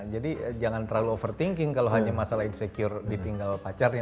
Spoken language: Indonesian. jadi jangan terlalu overthinking kalau hanya masalah insecure ditinggal pacarnya